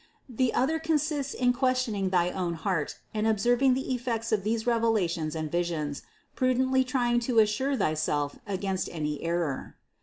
The other consists in questioning thy own heart and observing the effects of these revelations and visions, prudently trying to assure thyself against any error.